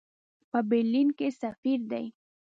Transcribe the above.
په برلین کې سفیر دی.